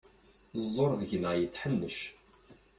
Ẓẓur deg-neɣ yetḥennec.